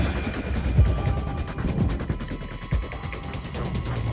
พี่ป๋องครับผมเคยไปที่บ้านผีคลั่งมาแล้ว